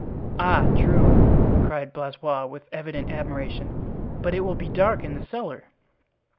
"Ah, true," cried Blaisois, with evident admiration; "but it will be dark in the cellar."